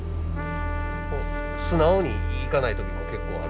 素直にいかない時も結構あるんで。